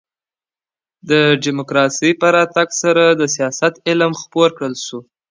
د ډيموکراسۍ په راتګ سره د سياست علم خپور کړل سو.